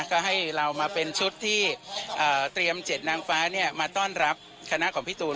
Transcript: ก็ให้เรามาเป็นชุดที่เตรียม๗นางฟ้ามาต้อนรับคณะของพี่ตูน